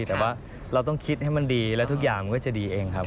แต่ว่าเราต้องคิดให้มันดีและทุกอย่างมันก็จะดีเองครับ